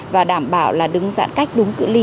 và đảm bảo là đứng giãn cách đúng cự ly